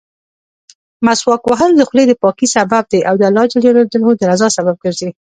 مسواک وهل د خولې دپاکۍسبب دی او د الله جل جلاله درضا سبب ګرځي.